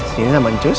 sini sama ncus